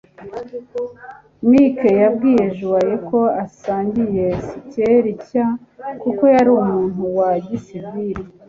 Mike yabwiye Joe ko asangiye sikeli nshya kuko yari umuntu wa gisivili